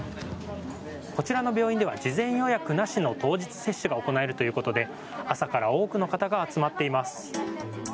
こちらの病院では事前予約なしの当日接種が行えるということで朝から多くの方が集まっています。